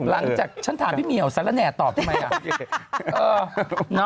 หลังจากฉันถามพี่เมียวแสลแนตตอบทำไม